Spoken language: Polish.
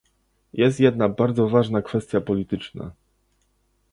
Jest jedna bardzo ważna kwestia polityczna